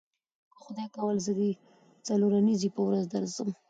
که خدای کول زه د څلورنیځې په ورځ درسم.